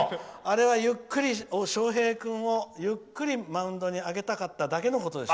あれは翔平君をゆっくりマウンドに上げたかっただけなんでしょ。